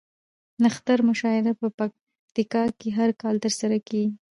نښتر مشاعره په پکتيا کې هر کال ترسره کیږي